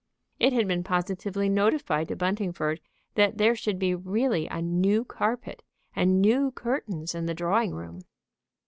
It had been positively notified to Buntingford that there should be really a new carpet and new curtains in the drawing room.